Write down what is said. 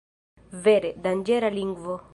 Vere, danĝera lingvo!